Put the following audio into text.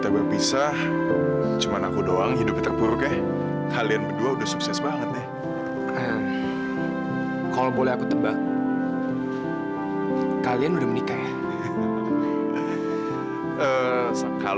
sampai jumpa di video selanjutnya